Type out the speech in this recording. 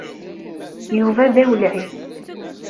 Yuba d awelɛi.